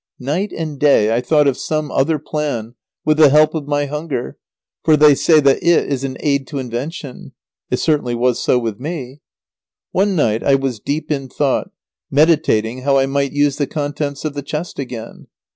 Night and day I thought of some other plan, with the help of my hunger, for they say that it is an aid to invention. It certainly was so with me. One night I was deep in thought, meditating how I might use the contents of the chest again.